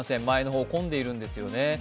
前の方、混んでいるんですよね。